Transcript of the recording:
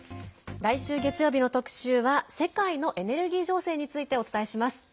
来週月曜日の特集は世界のエネルギー情勢についてお伝えします。